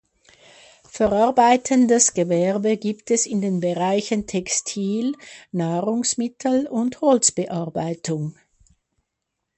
Verarbeitendes Gewerbe gibt es in den Bereichen Textil, Nahrungsmittel und Holzbearbeitung.